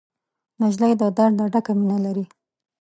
نجلۍ له درده ډکه مینه لري.